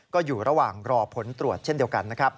ก็อยู่ระหว่างรอผลตรวจเช่นเดียวกันนะครับ